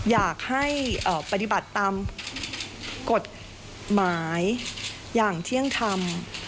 อยากให้ปฏิบัติตามกฎหมายอย่างเที่ยงธรรม